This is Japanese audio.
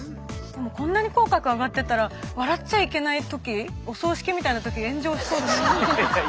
こんなに口角上がってたら笑っちゃいけないときお葬式みたいなとき炎上しそうですよね。